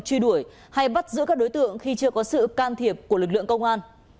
truy đuổi hay bắt giữ các đối tượng khi chưa có sự can thiệp của lực lượng công an